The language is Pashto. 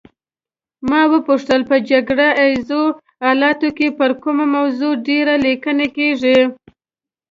ما وپوښتل په جګړه ایزو حالاتو کې پر کومه موضوع ډېرې لیکنې کیږي.